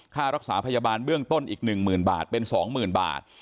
ค่ารักษาพยาบาลเบื้องต้นอีก๑หมื่นบาทเป็น๒หมื่นบาท